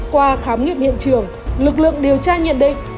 qua khám nghiệm hiện trường lực lượng điều tra nhận định